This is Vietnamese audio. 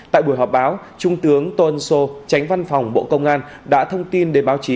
tại buổi họp báo trung tướng tôn sô tránh văn phòng bộ công an đã thông tin để báo chí